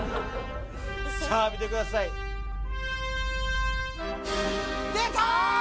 さあ見てください出た！